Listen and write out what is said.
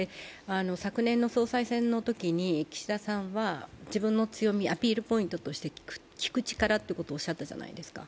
昨年の総裁選のときに岸田さんは自分の強み、アピールポイントとして聞く力とおっしゃったじゃないですか。